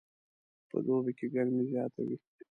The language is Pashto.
په دوبي کې ګرمي زیاته وي